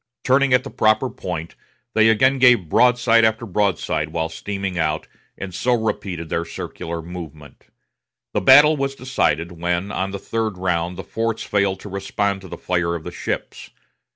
Turning at the proper point, they again gave broadside after broadside while steaming out, and so repeated their circular movement. The battle was decided when, on the third round, the forts failed to respond to the fire of the ships.